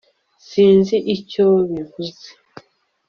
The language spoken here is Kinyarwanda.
sinzi icyo bivuze